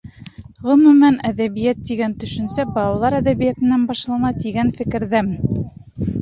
Ғөмүмән, әҙәбиәт тигән төшөнсә балалар әҙәбиәтенән башлана тигән фекерҙәмен.